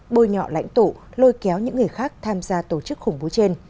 bôi nhọ lãnh tụ lôi kéo những người khác tham gia tổ chức khủng bố trên